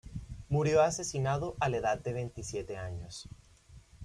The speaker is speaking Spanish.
Murió asesinado a la edad de veintisiete años.